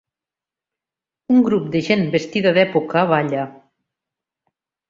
Un grup de gent vestida d'època balla.